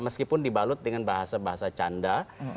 meskipun dibalut dengan bahasa bahasa canda